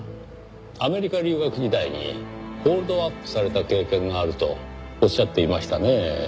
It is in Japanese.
アメリカ留学時代にホールドアップされた経験があるとおっしゃっていましたねぇ。